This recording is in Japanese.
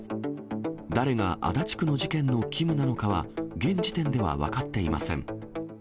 誰が足立区の事件のキムなのかは、現時点では分かっていません。